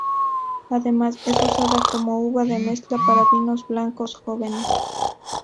Además, es usada como uva de mezcla para vinos blancos jóvenes.